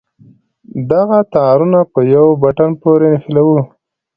دغه تارونه په يوه بټن پورې نښلوو.